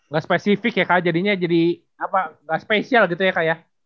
gak spesifik ya kak jadinya jadi apa gak spesial gitu ya kak ya